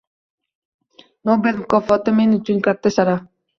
Nobel mukofoti men uchun katta sharaf